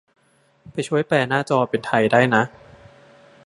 ไปช่วยแปลหน้าจอเป็นไทยได้นะ